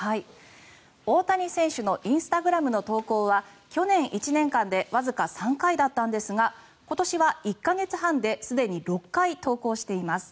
大谷選手のインスタグラムの投稿は去年１年間でわずか３回だったんですが今年は１か月半ですでに６回投稿しています。